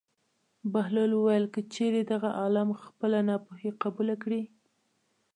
بهلول وویل: که چېرې دغه عالم خپله ناپوهي قبوله کړي.